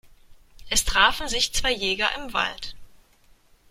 Es trafen sich zwei Jäger im Wald.